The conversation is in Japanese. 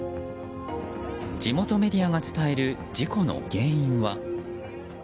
地元メディアが伝える事故の原因は。